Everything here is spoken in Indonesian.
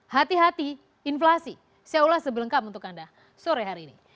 hati hati inflasi saya ulas sebelengkap untuk anda sore hari ini